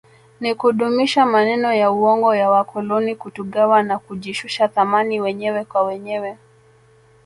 Ni kudumisha maneno ya uongo ya wakoloni kutugawa na kujishusha thamani wenyewe kwa wenyewe